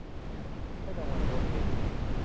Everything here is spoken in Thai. ให้รางวัลตัวเอง